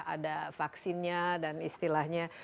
ada vaksinnya dan istilahnya